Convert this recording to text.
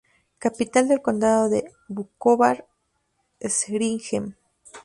Capital del condado de Vukovar-Srijem.